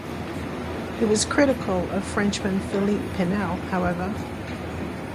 He was critical of Frenchman Philippe Pinel, however.